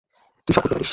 তুই সব করতে পারিস।